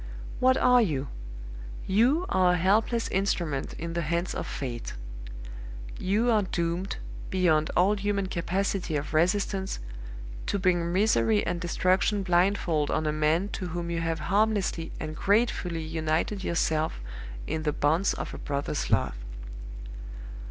What are you? You are a helpless instrument in the hands of Fate. You are doomed, beyond all human capacity of resistance, to bring misery and destruction blindfold on a man to whom you have harmlessly and gratefully united yourself in the bonds of a brother's love.